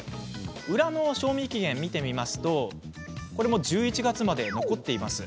裏の賞味期限を見てみますと１１月まで残っています。